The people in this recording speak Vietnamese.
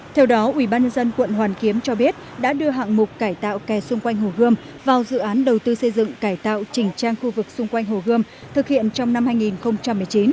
theo đó ubnd quận hoàn kiếm cho biết đã đưa hạng mục cải tạo kè xung quanh hồ gươm vào dự án đầu tư xây dựng cải tạo chỉnh trang khu vực xung quanh hồ gươm thực hiện trong năm hai nghìn một mươi chín